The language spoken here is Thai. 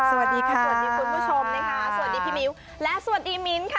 สวัสดีคุณผู้ชมนะคะสวัสดีพี่มิวและสวัสดีมินค่ะ